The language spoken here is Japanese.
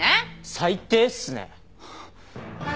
最低っすね。